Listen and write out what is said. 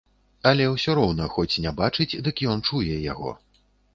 Але ўсё роўна, хоць не бачыць, дык ён чуе яго.